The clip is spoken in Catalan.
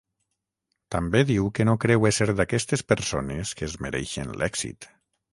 També diu que no creu ésser d'aquestes persones que es mereixen l'èxit.